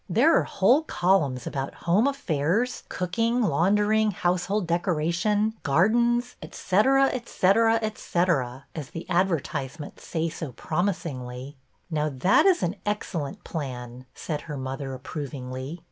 There are whole columns about home affairs, cooking, laundering, household dec oration, gardens, etcetera, etcetera, etcetera, as the advertisements say so promisingly." Now, that is an excellent plan," said her mother, approvingly.